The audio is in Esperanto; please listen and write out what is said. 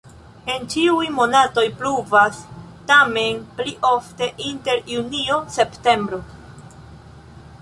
En ĉiuj monatoj pluvas, tamen pli ofte inter junio-septembro.